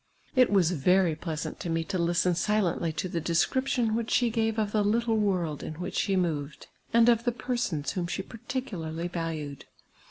It was very pleasant to me to listen silently to the desciip tion which she gave of the little world in which she moved, and of the persons whom she particularly valued.